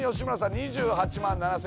２８万７，５００円。